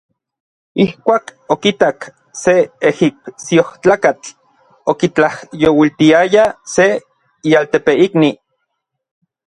Ijkuak okitak se ejipsiojtlakatl okitlajyouiltiaya se ialtepeikni.